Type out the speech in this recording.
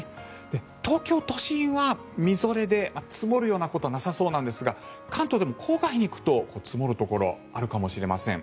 東京都心はみぞれで積もるようなことはなさそうなんですが関東でも広範囲で積もるところがあるかもしれません。